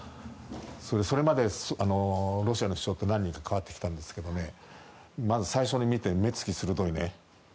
それでそれまでロシアの首相って何人か代わってきたんですけどまず最初に見て目付き、鋭いね。